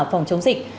phòng chống dịch